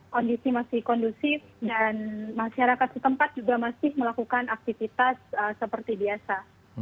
kondisi masih kondusif dan masyarakat setempat juga masih melakukan aktivitas seperti biasa